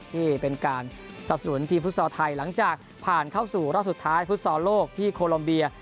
นี่เป็นการสับสนุนทีมฟุตซอลไทยหลังจากผ่านเข้าสู่รอบสุดท้ายฟุตซอลโลกที่โคลอมเบีย